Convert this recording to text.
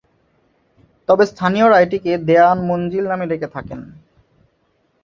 তবে স্থানীয়রা এটিকে দেওয়ান মঞ্জিল নামে ডেকে থাকেন।